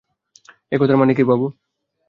এই কথার মানে কি?